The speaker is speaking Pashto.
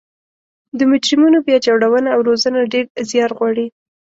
د مجرمینو بیا جوړونه او روزنه ډیر ځیار غواړي